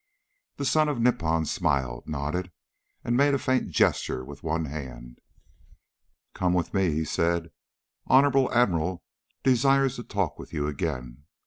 The son of Nippon smiled, nodded, and made a faint gesture with one hand. "Come with me," he said. "Honorable Admiral desires to talk with you again.